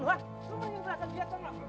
lo mau yang kerasa dia coba